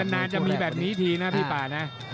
นานจะมีแบบนี้ทีนะพี่ป่านะ